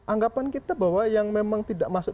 anggapan kita bahwa yang memang tidak masuk